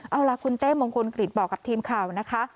เอาล่ะคุณเต้มงคลกฤษบอกกับทีมข่าวนะคะ